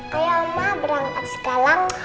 kalau oma berangkat sekarang